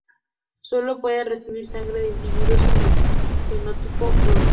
Sólo pueden recibir sangre de individuos con el fenotipo Bombay.